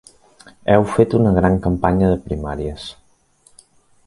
Heu fet una gran campanya de primàries.